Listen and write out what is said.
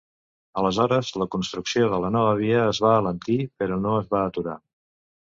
Aleshores la construcció de la nova via es va alentir, però no es va aturar.